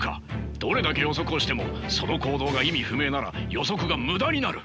どれだけ予測をしてもその行動が意味不明なら予測が無駄になる。